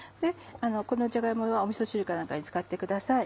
このじゃが芋はみそ汁か何かに使ってください。